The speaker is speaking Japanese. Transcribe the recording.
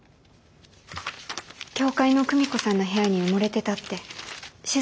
教会の久美子さんの部屋に埋もれてたって静子さんが。